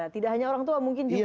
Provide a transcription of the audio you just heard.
tidak hanya orang tua mungkin juga